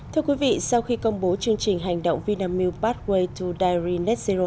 thưa quý vị sau khi công bố chương trình hành động vinamilk pathway to diary net zero